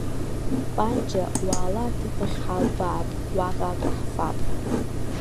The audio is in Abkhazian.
Панџьа, уаала аҭыԥ ахь ҳалбаап, уаҟа акраҳфап.